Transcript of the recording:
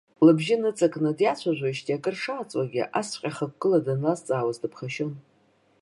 Лыбжьы ныҵакны диацәажәоижьҭеи акыр шааҵуагьы, асҵәҟьа хықәкыла данлазҵаауаз дыԥхашьон.